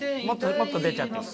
もっと出ちゃっていい。